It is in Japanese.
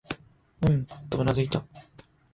うん、とうなずいた。